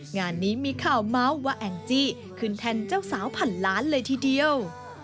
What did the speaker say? งานนี้มีข่าวเมาส์ว่าแองจี้ขึ้นแทนเจ้าสาวพันล้านเลยทีเดียว